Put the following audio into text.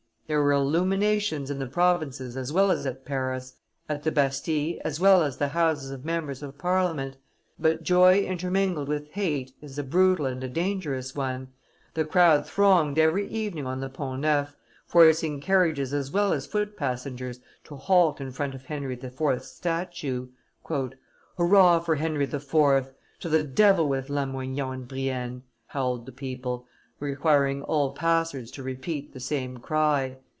There were illuminations in the provinces as well as at Paris, at the Bastille as well as the houses of members of Parliament; but joy intermingled with hate is a brutal and a dangerous one: the crowd thronged every evening on the Pont Neuf, forcing carriages as well as foot passengers to halt in front of Henry IV.'s statue. "Hurrah for Henry IV.! To the devil with Lamoignon and Brienne!" howled the people, requiring all passers to repeat the same cry.